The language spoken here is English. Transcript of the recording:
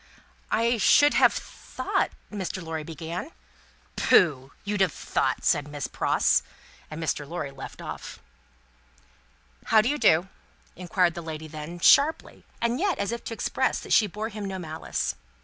"I should have thought " Mr. Lorry began. "Pooh! You'd have thought!" said Miss Pross; and Mr. Lorry left off. "How do you do?" inquired that lady then sharply, and yet as if to express that she bore him no malice.